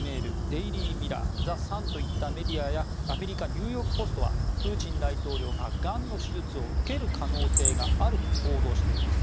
デイリー・ミラーザ・サンといったメディアやアメリカニューヨーク・ポストはプーチン大統領ががんの手術を受ける可能性があると報道しています。